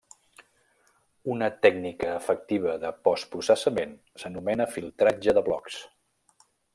Una tècnica efectiva de postprocessament s'anomena filtratge de blocs.